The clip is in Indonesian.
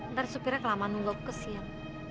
ntar supirnya kelamaan nunggu aku kesian